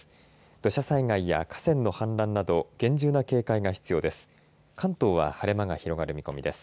土砂災害や河川の氾濫など厳重な警戒が必要です。